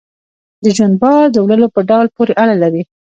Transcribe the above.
د ژوند بار د وړلو په ډول پورې اړه لري.